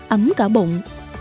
ấm cả bụng